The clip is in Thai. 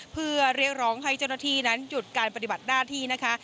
เพื่อเรียกร้องให้เจ้าหน้าที่นั้นหยุดการปฏิบัติหน้าที่นะคะ